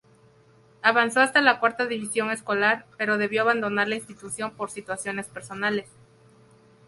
Avanzó hasta la cuarta división escolar, pero debió abandonar la institución por situaciones personales.